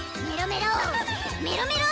メロメロ！